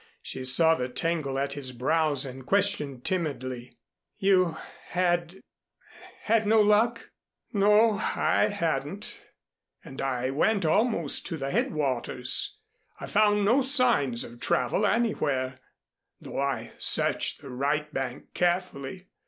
She saw the tangle at his brows and questioned timidly. "You had had no luck?" "No, I hadn't, and I went almost to the headwaters. I found no signs of travel anywhere, though I searched the right bank carefully.